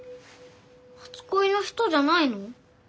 初恋の人じゃないの？